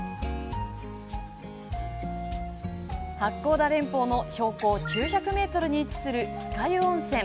八甲田連峰の標高９００ｍに位置する酸ヶ湯温泉。